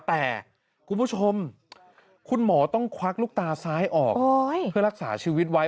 แต่คุณผู้ชมคุณหมอต้องควักลูกตาซ้ายออกเพื่อรักษาชีวิตไว้